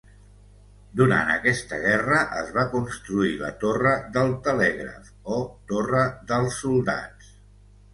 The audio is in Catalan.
Durant aquesta guerra es va construir la torre del telègraf o Torre dels Soldats.